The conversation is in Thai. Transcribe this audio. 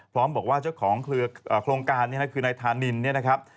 พร้อมบอกว่าเจ้าของเครือโครงการนี้นะครับคือนายธานินเนี่ยนะครับ